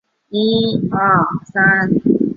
今日该区内之商业区块又常被称为信义商圈。